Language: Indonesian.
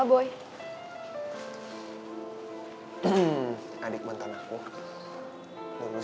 aku ga mau hantar representasi untuk kamu